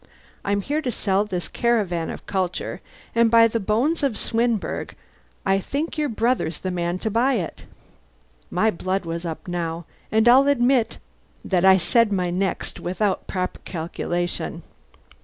I'm here to sell this caravan of culture, and by the bones of Swinburne I think your brother's the man to buy it." My blood was up now, and I'll admit that I said my next without proper calculation.